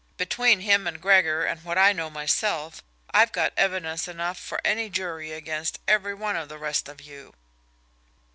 Between him and Gregor and what I know myself, I've got evidence enough for any jury against every one of the rest of you."